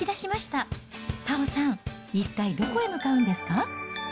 たおさん、一体どこへ向かうんですか？